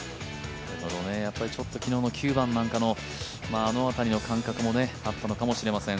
ちょっと昨日の９番なんかのあの辺りの感覚もあったのかもしれません。